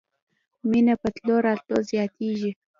مېنه په تلو راتلو زياتېږي.